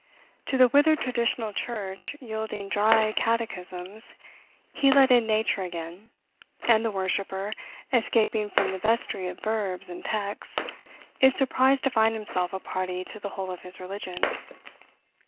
To the withered traditional church yielding dry catechisms, he let in nature again, and the worshiper, escaping from the vestry of verbs and texts, is surprised to find himself a party to the whole of his religion.